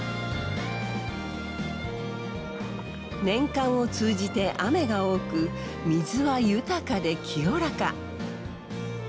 年間を通じて雨が多く水は豊かで清らか。